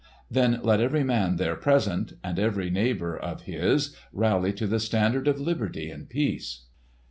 Then let every man there present, and every neighbour of his, rally to the standard of liberty and peace!